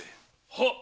はっ。